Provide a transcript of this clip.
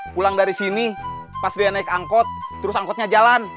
pulang dari sini pas dia naik angkot terus angkotnya jalan